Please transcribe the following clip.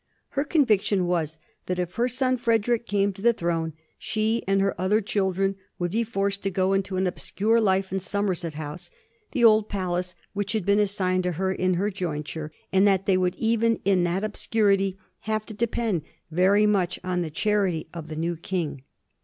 Her conviction was that if her son Frederick came to the throne she and her other children would be forced to go into an obscure life in Somerset House, the old palace which had been assigned to her in her jointure, and that they would even in that obscurity have to depend very much on the charity of the new King.